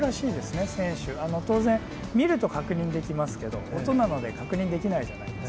当然見ると確認できますけど音なので確認できないじゃないですか。